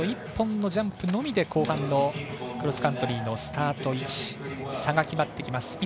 １本のジャンプのみで後半のクロスカントリーのスタート位置差が決まってきます。